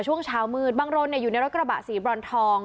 ช่วงเช้ามืดบางรนอยู่ในรถกระบะสีบรอนทอง